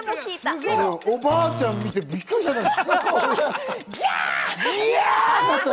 おばあちゃん見てびっくりしたんだよ。